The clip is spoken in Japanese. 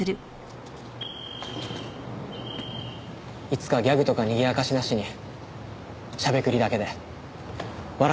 いつかギャグとか賑やかしなしにしゃべくりだけで笑